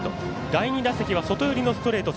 第２打席は外寄りのストレート